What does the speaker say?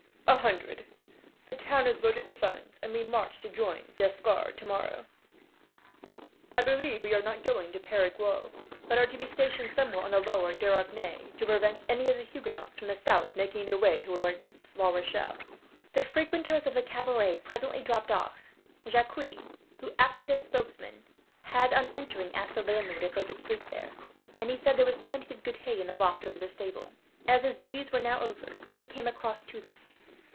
"A hundred. The town has voted the funds, and we march to join D'Escars tomorrow. I believe we are not going to Perigueux, but are to be stationed somewhere on the lower Dordogne, to prevent any of the Huguenots from the south making their way towards La Rochelle." The frequenters of the cabaret presently dropped off. Jacques, who acted as spokesman, had on entering asked the landlord if they could sleep there; and he said there was plenty of good hay, in the loft over the stable. As his duties were now over, he came across to them.